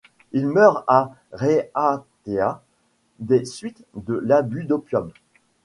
Il meurt à Raiatea des suites de l'abus d'opium.